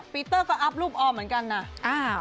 ปีเตอร์ก็อัพรูปออมเหมือนกันนะ